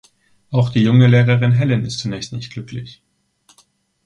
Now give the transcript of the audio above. Auch die junge Lehrerin Helen ist zunächst nicht glücklich.